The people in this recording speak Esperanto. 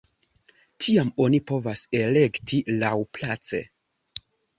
Tiam oni povas elekti laŭplaĉe.